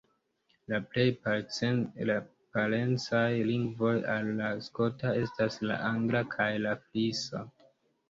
La plej parencaj lingvoj al la skota estas la angla kaj la frisa.